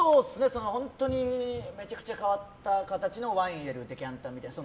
本当にめちゃくちゃ変わった形のワイン入れるデキャンタみたいな。